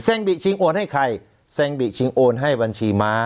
บิชิงโอนให้ใครแซงบิชิงโอนให้บัญชีม้า